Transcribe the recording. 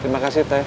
terima kasih teh